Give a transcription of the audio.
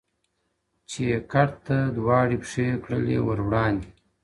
چي یې کټ ته دواړي پښې کړلې ور وړاندي!!